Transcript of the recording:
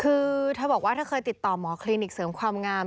คือเธอบอกว่าเธอเคยติดต่อหมอคลินิกเสริมความงาม